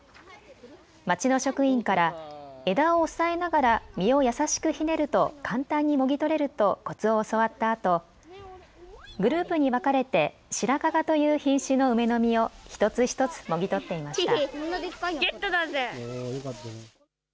町の職員から枝を押さえながら実を優しくひねると簡単にもぎ取れるとこつを教わったあと、グループに分かれて白加賀という品種の梅の実を一つ一つもぎ取っていました。